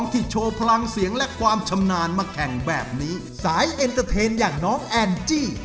ที่โชว์พลังเสียงและความชำนาญมาแข่งแบบนี้สายเอ็นเตอร์เทนอย่างน้องแอนจี้